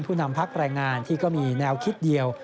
นำพักแรงงานที่ก็มีแนวคิดเดียว